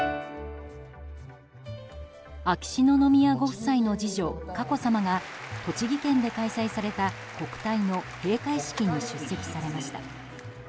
秋篠宮ご夫妻の次女佳子さまが栃木県で開催された国体の閉会式に出席されました。